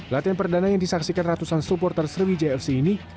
latihan perdana yang disaksikan ratusan supporter sriwijaya fc ini